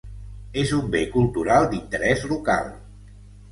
És un bé cultural d'interès local.